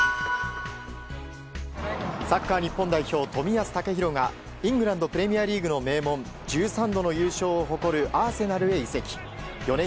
サッカー日本代表冨安健洋がイングランド・プレミアリーグの名門１３度の優勝を誇るアーセナルへ移籍。